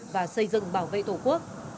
và xây dựng bảo vệ tổ quốc